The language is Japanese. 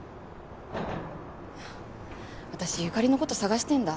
私由香里のこと捜してんだ。